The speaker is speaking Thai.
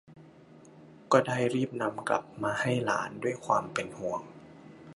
ก็ได้รีบนำกลับมาให้หลานด้วยความเป็นห่วง